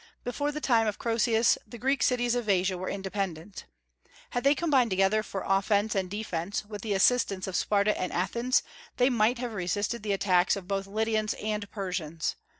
Before the time of Croesus the Greek cities of Asia were independent. Had they combined together for offence and defence, with the assistance of Sparta and Athens, they might have resisted the attacks of both Lydians and Persians.